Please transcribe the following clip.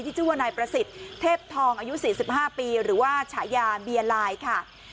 ชื่อว่านายประสิทธิ์เทพทองอายุ๔๕ปีหรือว่าฉายาเบียลายค่ะ